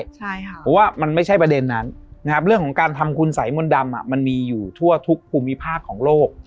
เพราะว่ามันไม่ใช่ประเด็นนั้นนะครับเรื่องของการทำคุณสัยมนต์ดำมันมีอยู่ทั่วทุกภูมิภาคของโลก